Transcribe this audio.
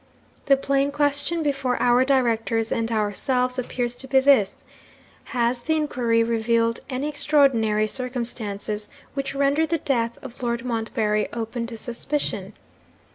'The plain question before our Directors and ourselves appears to be this: Has the inquiry revealed any extraordinary circumstances which render the death of Lord Montbarry open to suspicion?